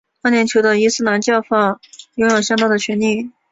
阿联酋的伊斯兰教法拥有相当的权力。